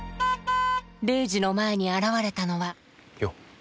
レイジの前に現れたのはよっ！